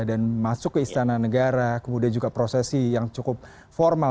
dan masuk ke istana negara kemudian juga prosesi yang cukup formal